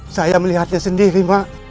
saya melihatnya sendiri ma